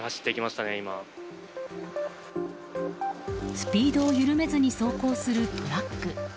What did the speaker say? スピードを緩めずに走行するトラック。